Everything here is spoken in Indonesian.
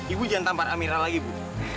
ibu jangan tampar amira lagi ibu